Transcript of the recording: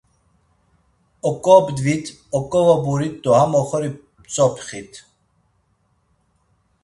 Oǩobdvit, oǩovoburit do ham oxori p̌tzopxit.